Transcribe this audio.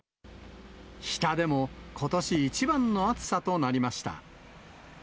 日田でもことし一番の暑さとなりました。